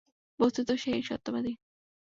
বস্তুত সে-ই সত্যবাদী।